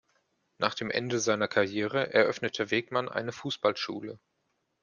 Nach dem Ende seiner Karriere eröffnete Wegmann eine Fußballschule.